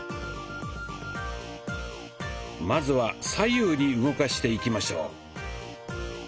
まずは左右に動かしていきましょう。